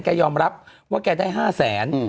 ยอมรับว่าแกได้๕แสน